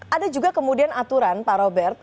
ada juga kemudian aturan pak robert